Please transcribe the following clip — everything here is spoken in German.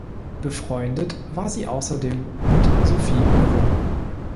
Befreundet war sie außerdem mit Sophie Mereau.